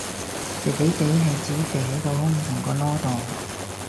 肥肥哋係指肥喺個胸同個籮度